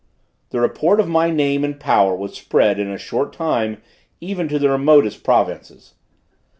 The report of my name and power was spread in a short time even to the remotest provinces.